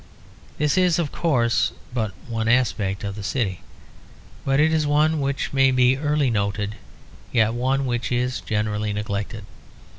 This is, of course, but one aspect of the city; but it is one which may be early noted, yet one which is generally neglected.